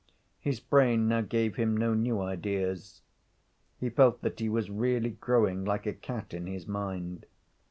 His brain now gave him no new ideas. He felt that he was really growing like a cat in his mind.